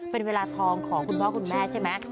เป็นเวลาทองของคุณพ่อคุณแม่ใช่ไหม